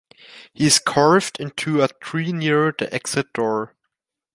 He is carved into a tree near the exit door.